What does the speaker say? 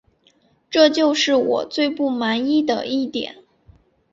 这就是我最不满的一点